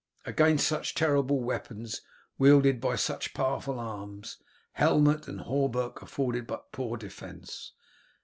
Against such terrible weapons wielded by such powerful arms, helmet and hauberk afforded but a poor defence.